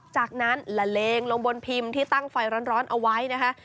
จากนั้นละเลงลงบนพิมพ์ที่ตั้งไฟร้อนเอาไว้นะคะ